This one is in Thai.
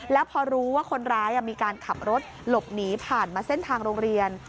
แล้วพอรู้ว่าคนร้ายมีการขับรถหลบหนีผ่านมาเส้นทางโรงเรียน